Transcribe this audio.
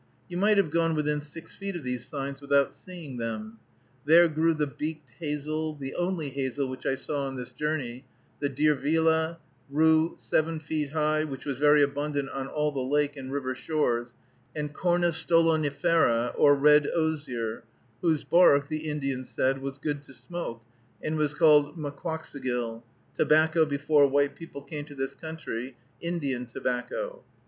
You might have gone within six feet of these signs without seeing them. There grew the beaked hazel, the only hazel which I saw on this journey, the diervilla, rue seven feet high, which was very abundant on all the lake and river shores, and Cornus stolonifera, or red osier, whose bark, the Indian said, was good to smoke, and was called maquoxigill, "tobacco before white people came to this country, Indian tobacco."